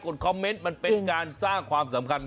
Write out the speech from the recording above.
คอมเมนต์มันเป็นการสร้างความสำคัญ